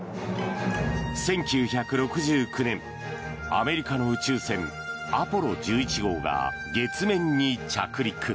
１９６９年、アメリカの宇宙船アポロ１１号が月面に着陸。